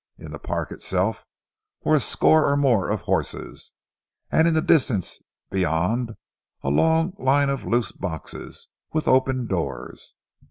In the park itself were a score or more of horses, and in the distance beyond a long line of loose boxes with open doors.